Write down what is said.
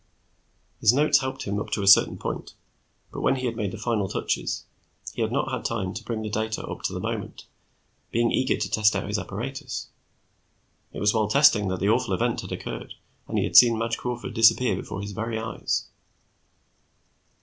His notes helped him up to a certain point, but when he had made the final touches he had not had time to bring the data up to the moment, being eager to test out his apparatus. It was while testing that the awful event had occurred and he had seen Madge Crawford disappear before his very eyes.